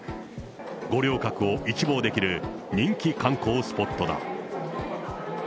五稜郭を一望できる人気観光スポットだ。